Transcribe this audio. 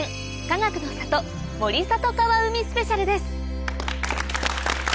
かがくの里森里川海スペシャル』です